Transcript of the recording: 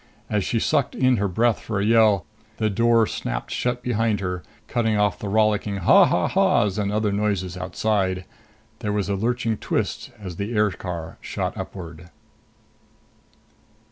As she sucked in her breath for a yell, the door snapped shut behind her, cutting off the rollicking "ha ha ha's" and other noises outside. There was a lurching twist as the aircar shot upward.